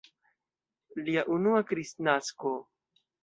Lia unua Kristnasko!